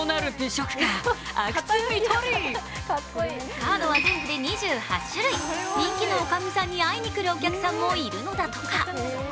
カードは全部で２８種類、人気の女将さんに会いに来るお客さんもいるのだとか。